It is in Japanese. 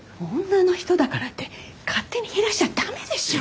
女の人だからって勝手に減らしちゃ駄目でしょ。